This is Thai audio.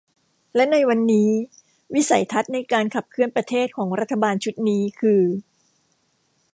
และในวันนี้วิสัยทัศน์ในการขับเคลื่อนประเทศของรัฐบาลชุดนี้คือ